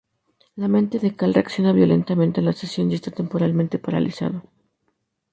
La mente de Cal reacciona violentamente a la sesión y está temporalmente paralizado.